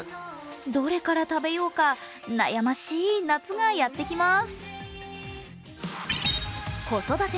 どれから食べようか悩ましい夏がやってきます。